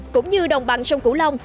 cũng như đồng bằng sông củ long